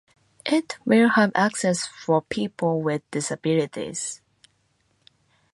It will have access for people with disabilities.